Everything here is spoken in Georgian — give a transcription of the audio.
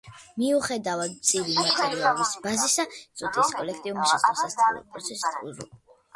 მიუხედავად მწირი მატერიალური ბაზისა ინსტიტუტის კოლექტივმა შეძლო სასწავლო პროცესის უზრუნველყოფა.